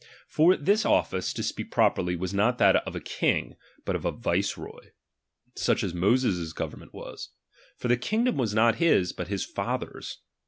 For this office, to speak properly, was not that of a king, but of a viceroy ; such as Moses' government was ; for the kingdom was not his, but his Fat/wr^A